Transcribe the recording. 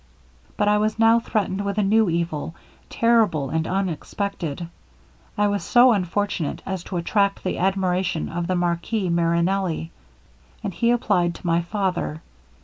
But I was now threatened with a new evil, terrible and unexpected. I was so unfortunate as to attract the admiration of the Marquis Marinelli, and he applied to my father.